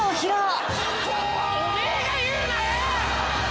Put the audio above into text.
お前が言うなよ！